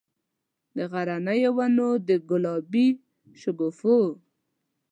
د غرنیو ونو، د ګلابي شګوفو،